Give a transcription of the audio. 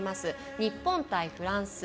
日本対フランス。